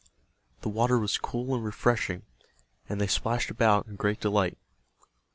The water was cool and refreshing, and they splashed about in great delight.